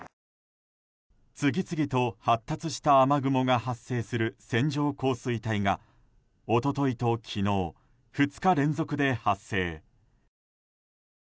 次々と発達した雨雲が発生する線状降水帯が一昨日と昨日、２日連続で発生。